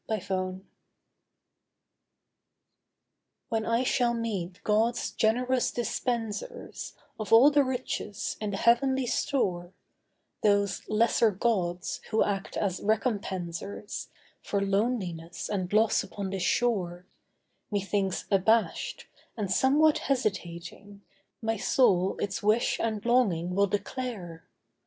COMPLETION When I shall meet God's generous dispensers Of all the riches in the heavenly store, Those lesser gods, who act as Recompensers For loneliness and loss upon this shore, Methinks abashed, and somewhat hesitating, My soul its wish and longing will declare.